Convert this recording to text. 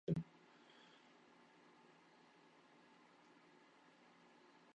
Birinji halka bolan hajat bölüminde hajatyň, şeýlelik bilen ejizligiň soňsuzlygy barada birazajyk belläp geçipdim.